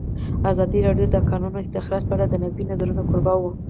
ازادي راډیو د د کانونو استخراج په اړه د نقدي نظرونو کوربه وه.